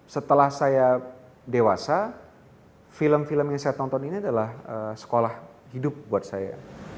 setelah saya dewasa film film yang saya tonton ini adalah sekolah hidup buat saya